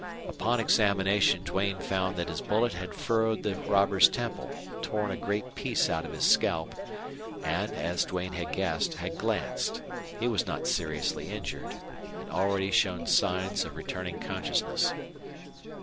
Upon examination Duane found that his bullet had furrowed the robber's temple, torn a great piece out of his scalp, and, as Duane had guessed, had glanced. He was not seriously injured, and already showed signs of returning consciousness.